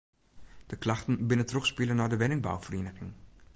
De klachten binne trochspile nei de wenningbouferieniging.